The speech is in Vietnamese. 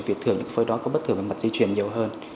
vì thường những phôi đó có bất thường về mặt di chuyển nhiều hơn